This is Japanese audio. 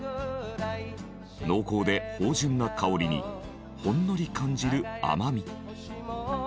濃厚で芳醇な香りにほんのり感じる甘み。